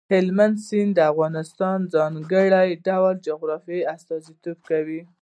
هلمند سیند د افغانستان د ځانګړي ډول جغرافیې استازیتوب کوي.